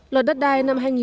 luật đất đai sửa đổi